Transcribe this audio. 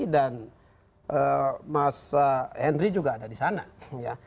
dan mas henry juga ada di sana